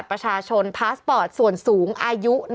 ประจาน